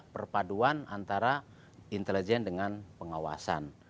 perpaduan antara intelijen dengan pengawasan